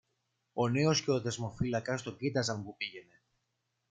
Ο νέος και ο δεσμοφύλακας το κοίταζαν που πήγαινε.